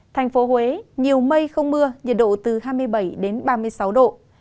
thành phố huế nhiều mây không mưa nhiệt độ từ hai mươi bảy đến ba mươi sáu độ